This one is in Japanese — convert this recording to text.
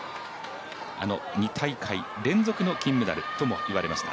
あの２大会連続の金メダルともいわれました